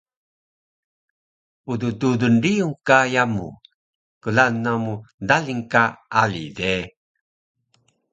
Pddudul riyung ka yamu, klaun namu daling ka ali de